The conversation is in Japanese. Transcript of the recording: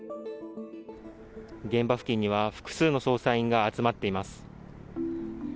現場付近には複数の捜査員が集まっています。